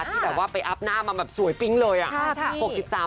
ที่แบบว่าไปอัพหน้ามาแบบสวยปิ๊งเลยอ่ะ